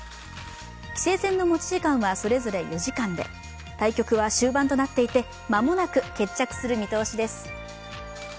棋聖戦の持ち時間はそれぞれ４時間で、対局は終盤となっていて間もなく決着する見通しです。